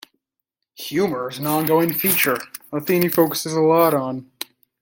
Humor is an on-going feature, a thing he focuses a lot on.